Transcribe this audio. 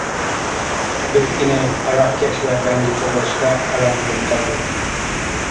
بىر كۈنى ھاراقكەش ۋە بەڭگى توغرىسىدا پاراڭ بولۇپ قالدى.